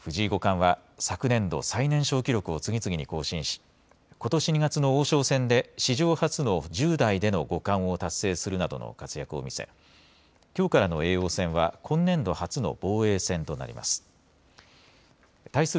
藤井五冠は昨年度、最年少記録を次々に更新しことし２月の王将戦で史上初の１０代での五冠を達成するなどの活躍を見せきょうからの叡王戦は今年度初の防衛戦となります。